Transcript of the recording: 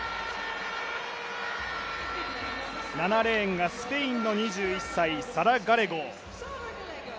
７レーンがスペインの２１歳、サラ・ガレゴ。